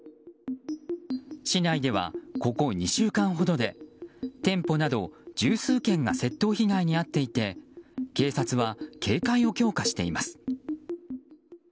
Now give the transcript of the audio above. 市内ではここ２週間ほどで店舗など十数件が窃盗被害に遭っていて警察は警戒を強化しています。